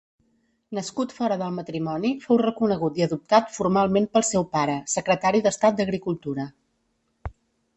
Nascut fora del matrimoni, fou reconegut i adoptat formalment pel seu pare, secretari d'estat d'agricultura.